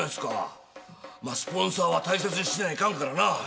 まあスポンサーは大切にせにゃいかんからな。